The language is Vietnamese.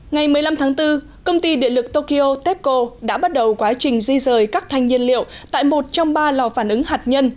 ngày một mươi năm tháng bốn công ty điện lực tokyo tepco đã bắt đầu quá trình di rời các thanh nhiên liệu tại một trong ba lò phản ứng hạt nhân